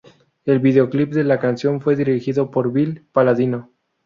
El videoclip de la canción fue dirigido por Bill Paladino.